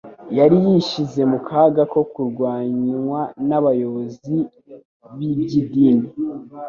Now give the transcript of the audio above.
yari yishyize mu kaga ko kurwanywa n'abayobozi b'iby'idini,